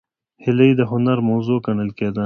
هیلۍ د هنر موضوع ګڼل کېږي